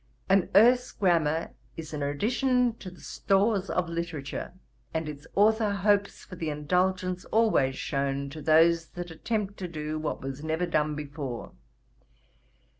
An Erse Grammar is an addition to the stores of literature; and its authour hopes for the indulgence always shewn to those that attempt to do what was never done before.